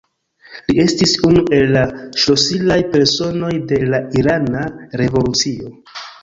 Li estis unu el la ŝlosilaj personoj de la irana revolucio.